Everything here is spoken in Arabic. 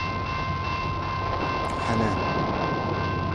حنان